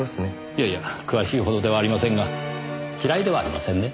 いやいや詳しいほどではありませんが嫌いではありませんね。